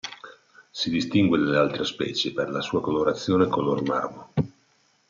Si distingue dalle altre specie per la sua colorazione color marmo